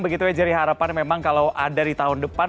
begitunya jadi harapan memang kalau ada di tahun depan